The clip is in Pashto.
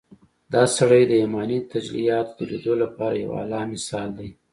دا سړی د ايماني تجلياتود ليدو لپاره يو اعلی مثال دی.